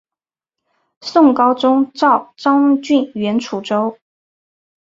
宋高宗诏张俊援楚州。